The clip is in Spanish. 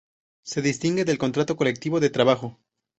Se distingue del contrato colectivo de trabajo.